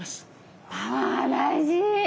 あ大事ね！